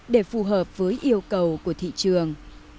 để phù hợp với yêu cầu của thị trường